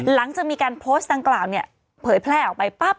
หลังจากมีการโพสต์ดังกล่าวเนี่ยเผยแพร่ออกไปปั๊บ